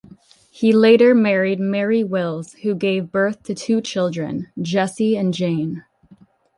He later married Mary Wills who gave birth to two children: Jesse and Jane.